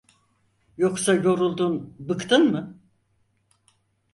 Yoksa yoruldun, bıktın mı?